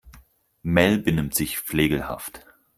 Mel benimmt sich flegelhaft.